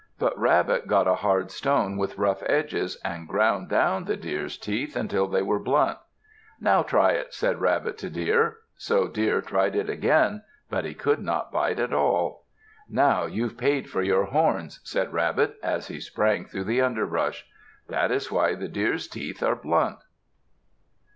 But Rabbit got a hard stone with rough edges and ground down the Deer's teeth until they were blunt. "Now try it," said Rabbit to Deer. So Deer tried it again, but he could not bite at all. "Now you've paid for your horns," said Rabbit as he sprang through the underbrush. That is why the Deer's teeth are blunt.